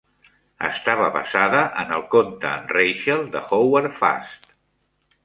Estava basada en el conte "Rachel" de Howard Fast.